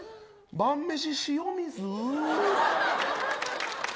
晩飯、塩水。